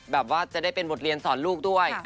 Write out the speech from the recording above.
แบบว่าจะได้เป็นบทเรียนสอนลูกด้วย